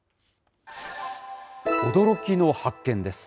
驚きの発見です。